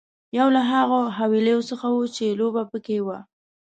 یو له هغو حويليو څخه وه چې لوبه پکې وه.